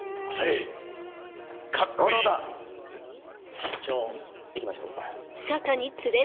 市長行きましょう。